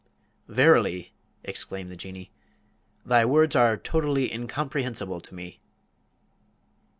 "Verily," exclaimed the Jinnee, "thy words are totally incomprehensible to me."